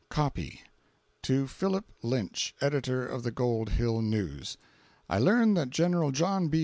COPY. To Philip Lynch, Editor of the Gold Hill News: I learn that Gen. John B.